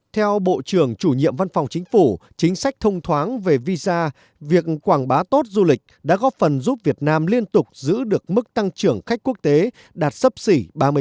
theo bộ trưởng chủ nhiệm văn phòng chính phủ chính sách thông thoáng về visa việc quảng bá tốt du lịch đã góp phần giúp việt nam liên tục giữ được mức tăng trưởng khách quốc tế đạt sấp xỉ ba mươi